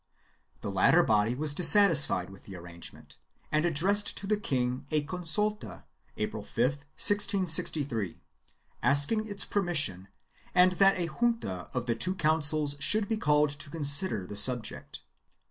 The latter body was dissatisfied with the arrangement and addressed to the king a consulta, April 5, 1663, asking its suspension and that a junta of the two councils should be called to consider the subject.